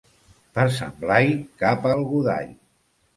Per Sant Blai, capa el godall.